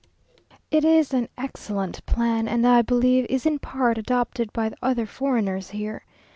It is an excellent plan, and I believe is in part adopted by other foreigners here.